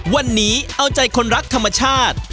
วันนี้เอาใจคนรักธรรมชาติ